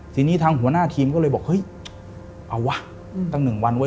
ทีนี้ทางหัวหน้าทีมก็เลยบอกเฮ้ยเอาวะตั้ง๑วันเว้